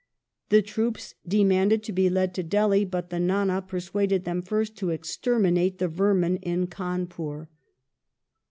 The troops demanded to be led to Delhi, but the Nana persuaded them first to exterminate the vermin in Cawnpur.